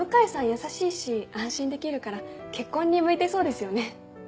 優しいし安心できるから結婚に向いてそうですよね。